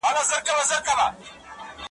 ور په زړه یې تش دېګدان د خپل ماښام سو .